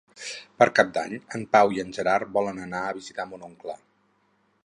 Per Cap d'Any en Pau i en Gerard volen anar a visitar mon oncle.